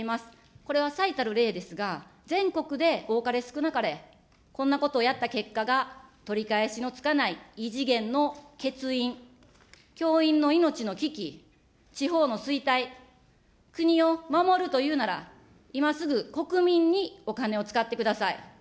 これは最たる例ですが、全国で多かれ少なかれこんなことをやった結果が、取り返しのつかない異次元の欠員、教員の命の危機、地方の衰退、国を守るというなら、今すぐ国民にお金を使ってください。